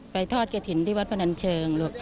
ไปทอดกระถิ่นวทพนันเชิง